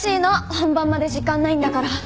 本番まで時間ないんだから。